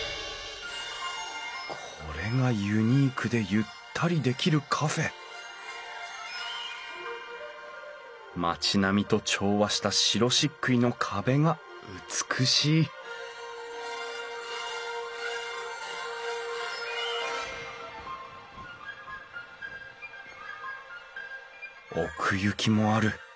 これがユニークでゆったりできるカフェ町並みと調和した白しっくいの壁が美しい奥行きもある。